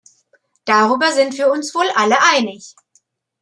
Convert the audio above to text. Darüber sind wir uns wohl alle einig.